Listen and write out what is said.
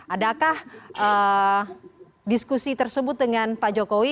adakah diskusi tersebut dengan pak jokowi